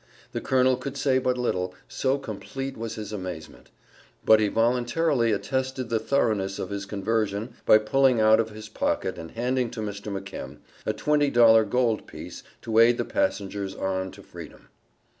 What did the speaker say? The Colonel could say but little, so complete was his amazement; but he voluntarily attested the thoroughness of his conversion by pulling out of his pocket and handing to Mr. McK. a twenty dollar gold piece to aid the passengers on to freedom.